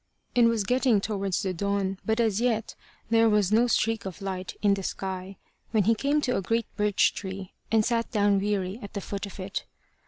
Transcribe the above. It was getting towards the dawn, but as yet there was no streak of light in the sky, when he came to a great birch tree, and sat down weary at the foot of it.